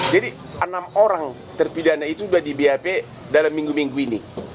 jadi enam orang terpidana itu sudah di bap dalam minggu minggu ini